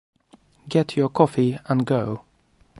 Get your coffee and go.